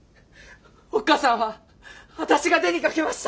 おっかさんはあたしが手にかけました！